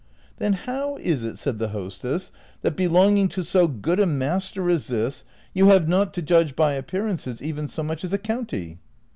" Then how is it," said the hostess, " that, belonging to so good a master as this, you have not, to judge by appearances, even so much as a county